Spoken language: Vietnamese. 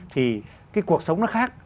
thì cái cuộc sống nó khác